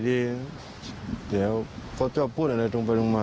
เดี๋ยวเขาจะพูดอะไรตรงไปลงมา